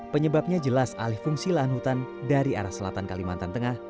penyebabnya jelas alih fungsi lahan hutan dari arah selatan kalimantan tengah